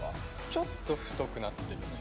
ちょっと太くなってます。